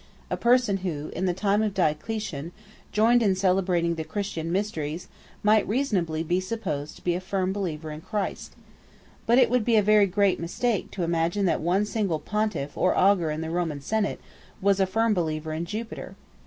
A person who, in the time of Diocletian, joined in celebrating the Christian mysteries might reasonably be supposed to be a firm believer in Christ. But it would be a very great mistake to imagine that one single Pontiff or Augur in the Roman Senate was a firm believer in Jupiter.